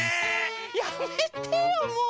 やめてよもう！